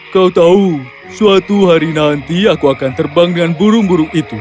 kau tahu suatu hari nanti aku akan terbang dengan burung burung itu